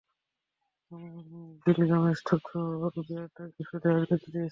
Gilgamesh, থুথু বিয়ারটাকে ফেলে আসবে প্লিজ?